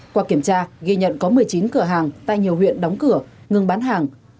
qua kiểm tra ghi nhận có một mươi chín cửa hàng tại nhiều huyện đóng cửa ngừng bán hàng